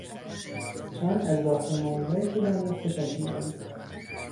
جان از راهپیماییهای طولانی خوشش می آید.